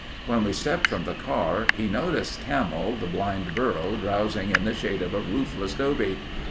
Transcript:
When we stepped from the car, he noticed Camel, the blind burro drowsing in the shade of a roofless dobe.